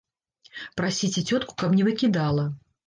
Прасіце цётку, каб не выкідала.